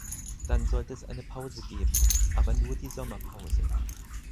Dann sollte es eine Pause geben, aber nur die Sommerpause.